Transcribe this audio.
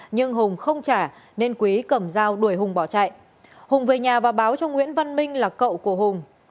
nhưng hùng không trả nên quý cầm dao đuổi hùng bỏ chạy hùng về nhà và báo cho nguyễn văn minh là cậu của hùng